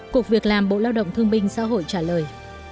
cục việc làm bộ lao động thương binh xã hội trả lời